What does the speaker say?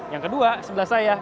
yang kedua sebelah saya